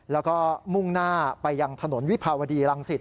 แล้วก็มุ่งหน้าไปยังถนนวิภาวดีรังสิต